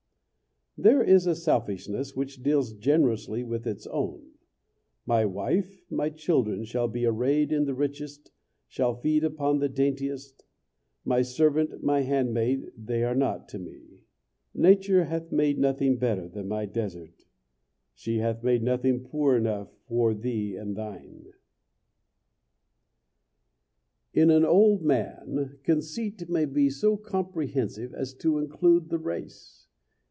There is a selfishness which deals generously with its own: my wife, my child shall be arrayed in the richest, shall feed upon the daintiest; my servant, my handmaid they are naught to me. Nature hath made nothing better than my desert; she hath made nothing poor enough for thee and thine. In an old man conceit may be so comprehensive as to include the race.